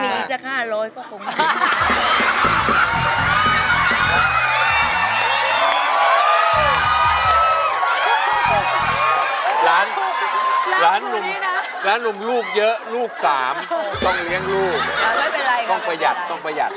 ล้านล้านลูกล้านลูกลูกเยอะลูกสามต้องเลี้ยงลูกต้องประหยัดอย่าไว้เป็นอะไร